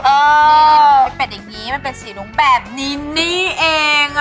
มีเป็ดอย่างนี้มันเป็นสีโรงแบบนี้เองอ่ะ